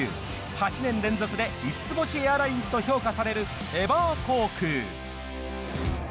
８年連続で５つ星エアラインと評価される、エバー航空。